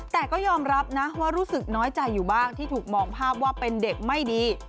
แต่ก็ยอมรับนะว่ารู้สึกน้อยใจอยู่บ้างที่ถูกมองภาพว่าเป็นเด็กไม่ดี